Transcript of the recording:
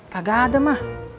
kagak ada ma